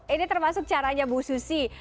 ini termasuk caranya bu susi